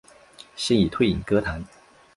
现已退隐歌坛。